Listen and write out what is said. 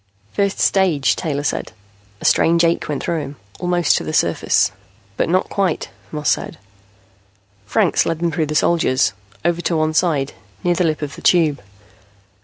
"First stage," Taylor said. A strange ache went through him. "Almost to the surface." "But not quite," Moss said. Franks led them through the soldiers, over to one side, near the lip of the Tube.